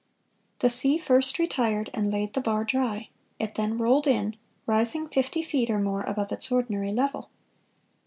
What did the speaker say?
The sea first retired, and laid the bar dry; it then rolled in, rising fifty feet or more above its ordinary level."